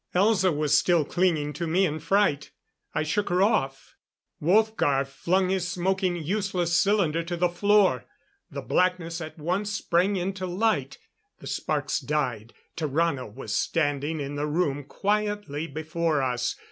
Elza was still clinging to me in fright. I shook her off. Wolfgar flung his smoking, useless cylinder to the floor. The blackness at once sprang into light; the sparks died. Tarrano was standing in the room, quietly, before us.